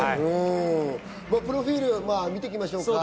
プロフィールを見ていきましょう。